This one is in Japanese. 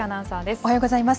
おはようございます。